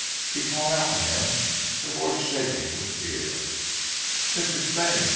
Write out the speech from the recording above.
She called out to him, her voice shaking with fear: "Mr. Stane!